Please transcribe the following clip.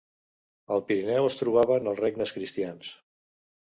Al Pirineu es trobaven els regnes cristians.